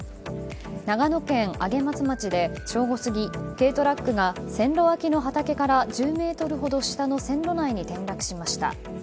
長野県上松町で正午過ぎ軽トラックが線路脇の畑から１０ｍほど下の線路内に転落しました。